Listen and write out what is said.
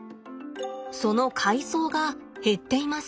その海藻が減っています。